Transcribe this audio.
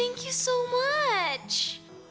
terima kasih banyak